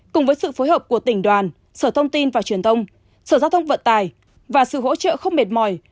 cùng với sự phối hợp của tỉnh đoàn sở thông tin và truyền thông sở giao thông vận tài và sự hỗ trợ không mệt mỏi